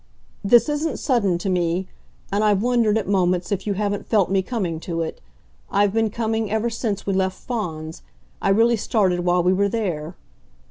"This isn't sudden to me, and I've wondered at moments if you haven't felt me coming to it. I've been coming ever since we left Fawns I really started while we were there."